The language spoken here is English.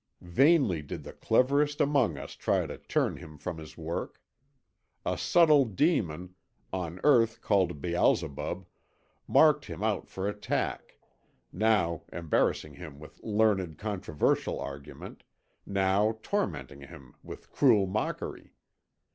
Vainly did the cleverest among us try to turn him from his work. A subtle demon, on earth called Beelzebub, marked him out for attack, now embarrassing him with learned controversial argument, now tormenting him with cruel mockery.